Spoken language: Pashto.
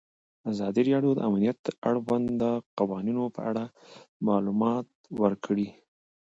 ازادي راډیو د امنیت د اړونده قوانینو په اړه معلومات ورکړي.